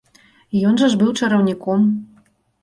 Ён жа ж быў чараўніком.